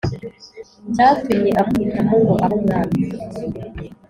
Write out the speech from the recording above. cyatumye amuhitamo ngo abe umwami